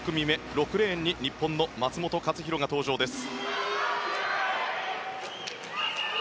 ６レーンに日本の松元克央が登場です。